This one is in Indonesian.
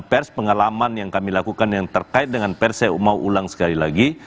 pers pengalaman yang kami lakukan yang terkait dengan pers saya mau ulang sekali lagi